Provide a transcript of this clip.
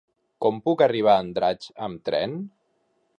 Com puc arribar a Andratx amb tren?